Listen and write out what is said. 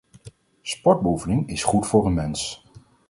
Sportbeoefening is goed voor een mens.